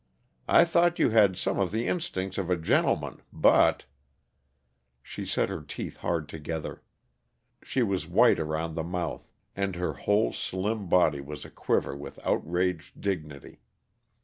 I thought you had some of the instincts of a gentleman, but " She set her teeth hard together. She was white around the mouth, and her whole, slim body was aquiver with outraged dignity.